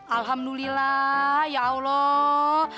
alhamdulillah ya allah